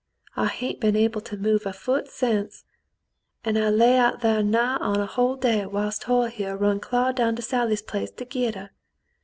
I hain't ben able to move a foot sence, an' I lay out thar nigh on to a hull day, whilst Hoyle here run clar down to Sally's place to git her.